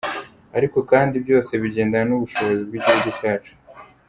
Ariko kandi byose bigendana n’ubushobozi bw’igihugu cyacu.